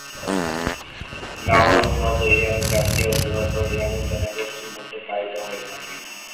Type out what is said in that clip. নওরোজ মূলতঃ ইরানি জাতি ও বৃহত্তর ইরানের জনগোষ্ঠীর মধ্যে পালিত হয়ে থাকে।